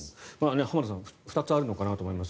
浜田さん２つあるのかなと思います。